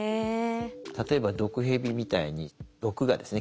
例えば毒ヘビみたいに毒牙ですね